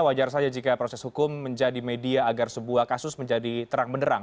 wajar saja jika proses hukum menjadi media agar sebuah kasus menjadi terang benderang